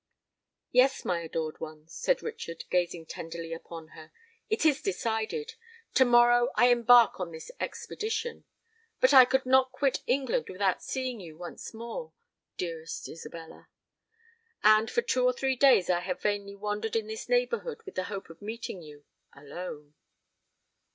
"Yes, my adored one," said Richard, gazing tenderly upon her, "it is decided! To morrow I embark on this expedition. But I could not quit England without seeing you once more, dearest Isabella; and for two or three days have I vainly wandered in this neighbourhood with the hope of meeting you—alone."